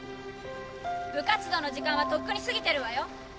部活動の時間はとっくにすぎてるわよ。